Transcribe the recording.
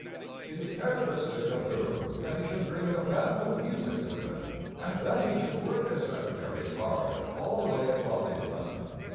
It is characteristic of Durham that he should bring a band of music with him and that he should work his secretaries hard all the way across the Atlantic.